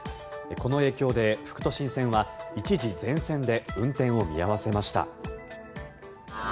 この影響で副都心線は一時、全線で運転を見合わせました。